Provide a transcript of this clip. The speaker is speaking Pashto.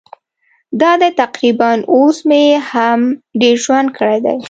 دا دی تقریباً اوس مې هم ډېر ژوند کړی دی.